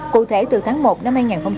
cụ thể từ tháng một năm hai nghìn một mươi năm